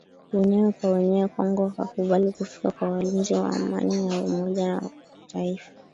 wenyewe kwa wenyewe Kongo akakubali kufika kwa walinzi wa amani wa Umoja wa mataifa